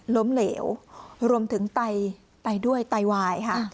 ล้มเหลวรวมถึงไตด้วยไตวายค่ะ